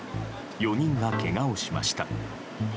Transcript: ４人がけがをしました。